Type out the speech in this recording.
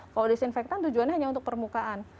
kalau disinfektan tujuannya hanya untuk permukaan